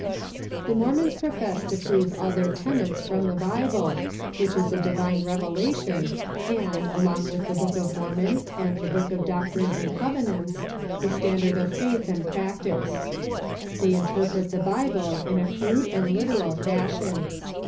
The Mormons profess to prove all their tenets from the Bible, Avhich is a divine revelation, and, along with the " Book of Mormon" and the "Book of Doctrine and Covenants," the standard of faith and practice. They interpret the Bible in a crude and literal fashion.